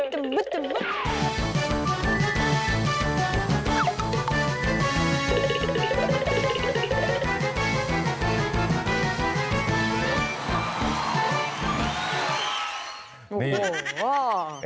แจ้มเบอร์